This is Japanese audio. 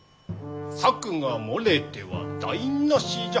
策が漏れては台なしじゃ。